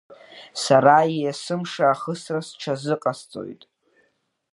Сара иесымша ахысра сҽазыҟасҵоит.